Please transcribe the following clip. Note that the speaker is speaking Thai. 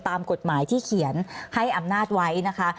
ตามกฎหมายที่เขียนให้อำนาจไว้นะคะ